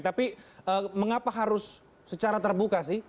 tapi mengapa harus secara terbuka sih